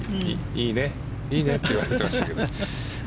いいね？って言われてましたけど。